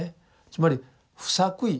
つまり不作為。